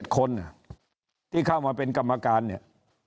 คนที่เข้ามาเป็นกรรมการเนี่ย